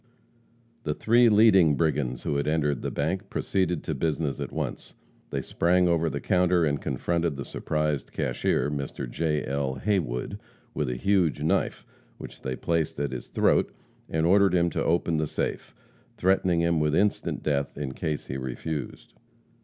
The three leading brigands who had entered the bank proceeded to business at once. They sprang over the counter and confronted the surprised cashier, Mr. J. L. Haywood, with a huge knife, which they placed at his throat, and ordered him to open the safe, threatening him with instant death in case he refused.